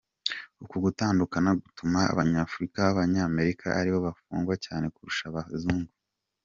Uku gutandukana gutuma Abanyafurika b’Abanyamerika ari bo bafungwa cyane kurusha abazungu.